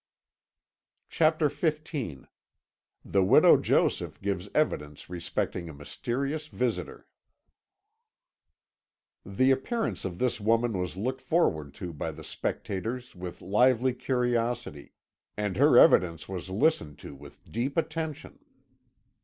CHAPTER XV THE WIDOW JOSEPH GIVES EVIDENCE RESPECTING A MYSTERIOUS VISITOR The appearance of this woman was looked forward to by the spectators with lively curiosity, and her evidence was listened to with deep attention.